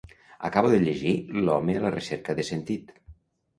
Acabo de llegir L'home a la recerca de sentit.